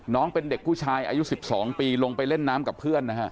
น้องเป็นเด็กผู้ชายอายุ๑๒ปีลงไปเล่นน้ำกับเพื่อนนะฮะ